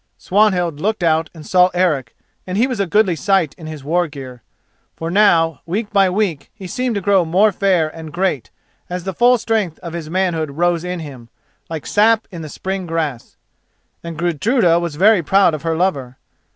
Swanhild looked out and saw Eric, and he was a goodly sight in his war gear. For now, week by week, he seemed to grow more fair and great, as the full strength of his manhood rose in him, like sap in the spring grass, and Gudruda was very proud of her lover.